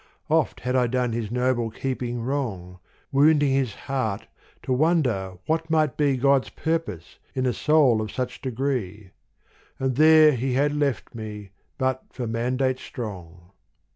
Oft had I done his noble keeping wrong. Wounding his heart to wonder what might be God's purpose in a soul of such degree : And there he had left me, but for mandate strong.